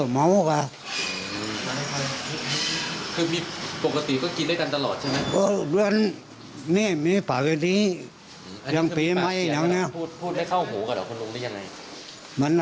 เมามากไว้ตอนนั้นเออเมาอ่ะคือมีปกติก็กินได้กัน